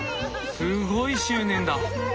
すごい執念だ。